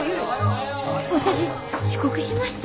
私遅刻しました？